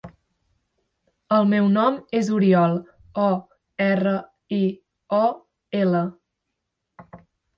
El meu nom és Oriol: o, erra, i, o, ela.